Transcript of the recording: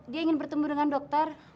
dia ingin bertemu dengan dokter